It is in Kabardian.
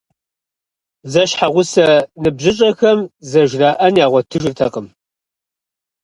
Зэщхьэгъусэ ныбжьыщӏэхэм зэжраӏэн ягъуэтыжыртэкъым.